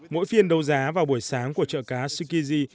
mỗi phiên đầu giá vào buổi sáng của chợ cá tsukiji